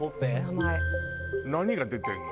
何が出てるの？